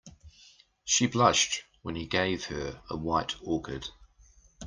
She blushed when he gave her a white orchid.